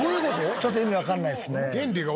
ちょっと意味わかんないですね。